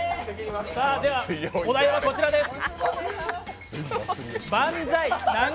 お題はこちらです。